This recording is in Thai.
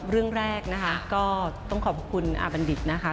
เรื่องแรกนะคะก็ต้องขอบคุณอาบัณฑิตนะคะ